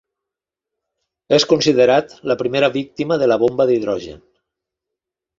És considerat la primera víctima de la bomba d'hidrogen.